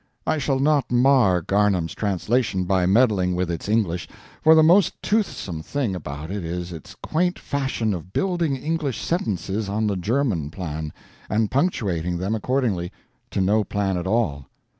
I shall not mar Garnham's translation by meddling with its English; for the most toothsome thing about it is its quaint fashion of building English sentences on the German plan and punctuating them accordingly to no plan at all.